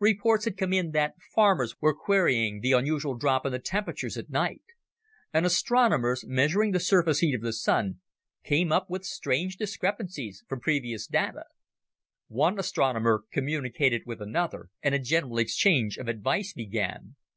Reports had come in that farmers were querying the unusual drop in the temperatures at night. And astronomers, measuring the surface heat of the Sun, came up with strange discrepancies from previous data. One astronomer communicated with another, and a general exchange of advice began.